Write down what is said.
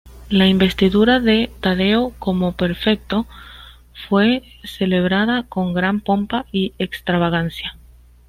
La investidura de Taddeo como Prefecto fue celebrada con gran pompa y extravagancia.